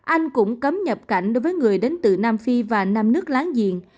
anh cũng cấm nhập cảnh đối với người đến từ nam phi và năm nước láng giềng